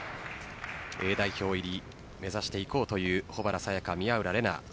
Ａ代表入りを目指していこうという保原彩夏宮浦玲奈。